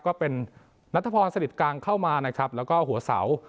ก็เป็นนัทพรสนิทกลางเข้ามานะครับแล้วก็หัวเสา